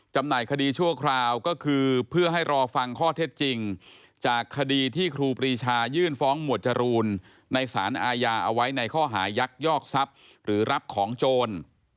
หน่ายคดีชั่วคราวก็คือเพื่อให้รอฟังข้อเท็จจริงจากคดีที่ครูปรีชายื่นฟ้องหมวดจรูนในสารอาญาเอาไว้ในข้อหายักยอกทรัพย์หรือรับของโจร